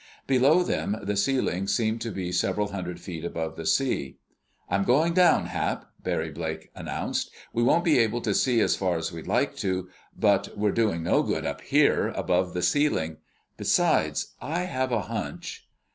Below them the ceiling seemed to be several hundred feet above the sea. "I'm going down, Hap," Barry Blake announced. "We won't be able to see as far as we'd like to, but we're doing no good up here above the ceiling. Besides, I have a hunch...."